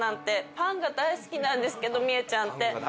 パンが大好きなんですけどみえちゃんって。